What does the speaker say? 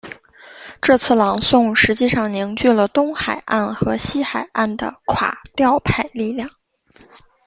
这次朗诵实际上凝聚了东海岸和西海岸的垮掉派力量。